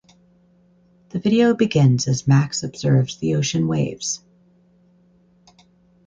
The video begins as Max observes the ocean waves.